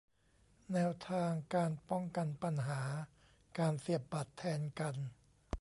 แนวทางการป้องกันปัญหาการเสียบบัตรแทนกัน